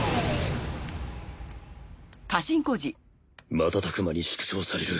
瞬く間に縮小される。